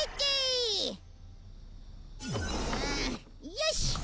よし！